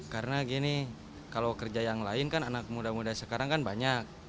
karena gini kalau kerja yang lain kan anak muda muda sekarang kan banyak